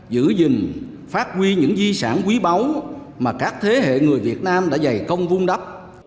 giữ gìn phát huy những di sản quý báu mà các thế hệ người việt nam đã dày công vung đắp